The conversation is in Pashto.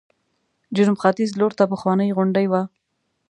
جنوب ختیځ لورته پخوانۍ غونډۍ وه.